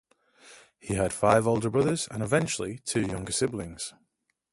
He had five older brothers, and eventually, two younger siblings.